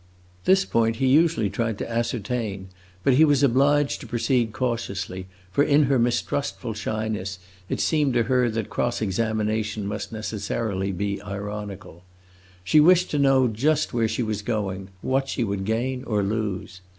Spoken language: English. This point he usually tried to ascertain; but he was obliged to proceed cautiously, for in her mistrustful shyness it seemed to her that cross examination must necessarily be ironical. She wished to know just where she was going what she would gain or lose.